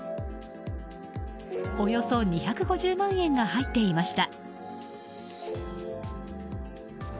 およそ２５０万円が入っていました。